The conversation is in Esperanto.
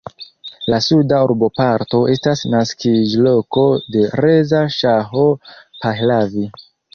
La suda urboparto estas naskiĝloko de Reza Ŝaho Pahlavi.